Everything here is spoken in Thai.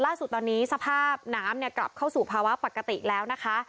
ล่าสุดตอนนี้สภาพน้ำเนี่ยกลับเข้าสู่ภาวะปกติแล้วนะคะ